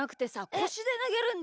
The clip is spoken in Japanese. こしでなげんの。